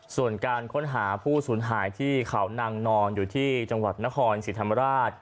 ส่วนการค้นหาผู้สูญหายที่เขานางนอนอยู่ที่จังหวัดนครศรีธรรมราช